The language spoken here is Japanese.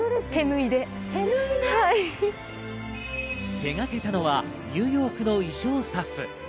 手がけたのはニューヨークの衣装スタッフ。